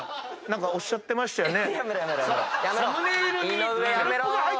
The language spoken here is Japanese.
何かおっしゃってましたよね？